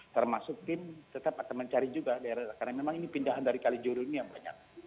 termasuk tim tetap akan mencari juga daerah karena memang ini pindahan dari kalijodo ini yang banyak